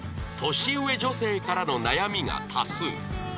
年上女性からの悩みが多数